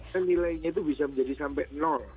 karena nilainya itu bisa menjadi sampai nol